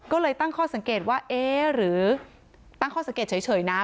ก็เลยตั้งข้อสังเกตว่าเอ๊ะหรือตั้งข้อสังเกตเฉยนะ